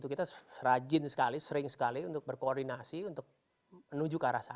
kita rajin sekali sering sekali untuk berkoordinasi untuk menuju ke arah sana